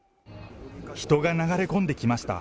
人が流れ込んできました。